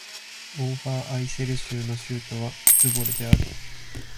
オーファーアイセル州の州都はズヴォレである